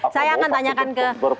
saya akan tanyakan ke